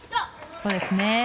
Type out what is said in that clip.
そうですね。